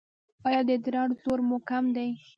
ایا د ادرار زور مو کم دی؟